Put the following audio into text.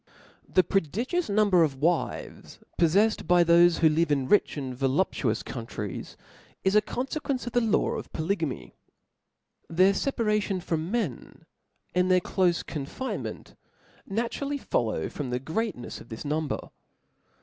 TH E prodigious number of wives poffefled by B o p |^ thofe who live in rich apd voluptuous coun chap. i, tries, is a confequencc of the law of polygamy, ^9' ' Their feparacion from men, and tbeir clofe con finement, naturally follow from the greatncfs of this number.